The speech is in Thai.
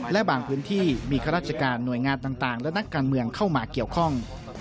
และบางพื้นที่มีข้าราชการหน่วยงานต่างและนักการเมืองเข้ามาเกี่ยวข้อง